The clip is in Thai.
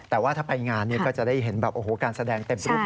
แต่ว่าถ้าไปงานก็จะได้เห็นแบบโอ้โหการแสดงเต็มรูป